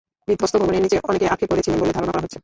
বিধ্বস্ত ভবনের নিচে অনেকে আটকে পড়ে ছিলেন বলে ধারণা করা হচ্ছে।